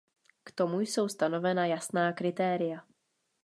K tomu jsou stanovena jasná kritéria.